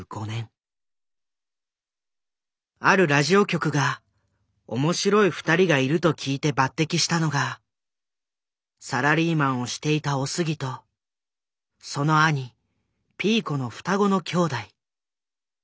あるラジオ局が面白い２人がいると聞いて抜擢したのがサラリーマンをしていたおすぎとその兄ピーコの双子の兄弟。